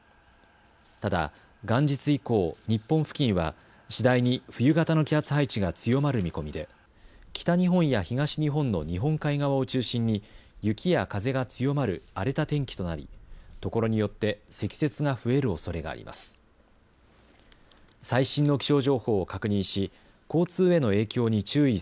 ただ、元日以降、日本付近は次第に冬型の気圧配置が強まる見込みで北日本や東日本の日本海側を中心に雪や風が強まる荒れた天気となり所によって積雪が増えるおそれがあります。